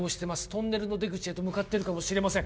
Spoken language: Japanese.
「トンネルの出口へと向かってるかもしれません」